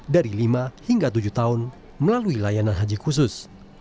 dari lima hingga tujuh tahun melalui layanan haji khusus